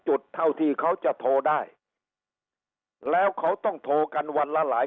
จุดเท่าที่เขาจะโทรได้แล้วเขาต้องโทรกันวันละหลาย